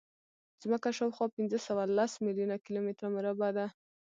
ځمکه شاوخوا پینځهسوهلس میلیونه کیلومتره مربع ده.